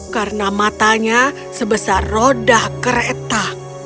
karena matanya sebesar roda kereta